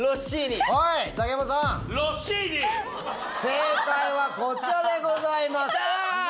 正解はこちらでございます。